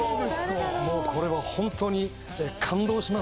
これは本当に感動します。